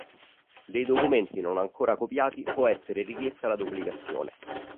Dei documenti non ancora copiati può essere richiesta la duplicazione.